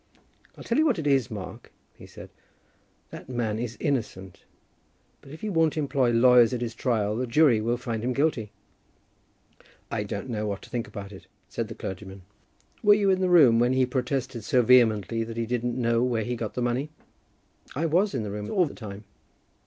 "I'll tell you what it is, Mark," he said, "that man is innocent; but if he won't employ lawyers at his trial, the jury will find him guilty." "I don't know what to think about it," said the clergyman. "Were you in the room when he protested so vehemently that he didn't know where he got the money?" "I was in the room all the time."